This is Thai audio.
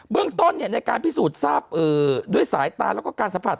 เบื้องต้นเนี่ยในการพิสูจน์ทราบด้วยสายตาแล้วก็การสะพัด